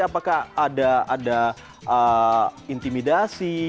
apakah ada intimidasi